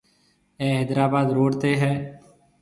اي حيدرآباد روڊ تي ھيَََ